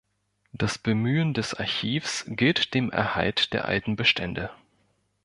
Das Bemühen des Archivs gilt dem Erhalt der alten Bestände.